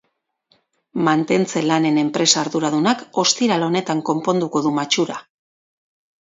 Mantentze-lanen enpresa arduradunak ostiral honetan konponduko du matxura.